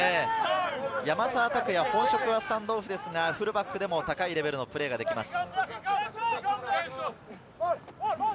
山沢拓也、本職はスタンドオフですが、フルバックでも高いレベルのプレーができます。